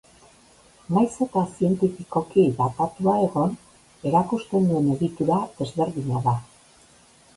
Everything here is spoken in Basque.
Nahiz eta zientifikoki datatua egon, erakusten duen egitura desberdina da.